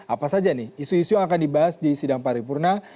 apa saja nih isu isu yang akan dibahas di sidang paripurna